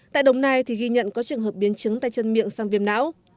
tại đồng nai thì ghi nhận có trường hợp biến chứng tay chân miệng sang viêm não